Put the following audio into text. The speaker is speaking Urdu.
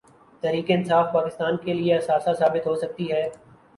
تحریک انصاف پاکستان کے لیے اثاثہ ثابت ہو سکتی ہے۔